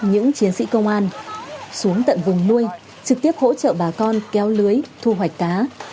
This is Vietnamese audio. những chiến sĩ công an xuống tận vùng nuôi trực tiếp hỗ trợ bà con kéo lưới thu hoạch cá